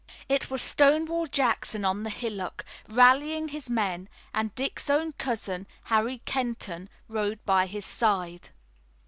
It was Stonewall Jackson on the hillock, rallying his men, and Dick's own cousin, Harry Kenton, rode by his side.